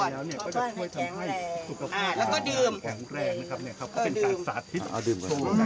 แล้วก็ดื่ม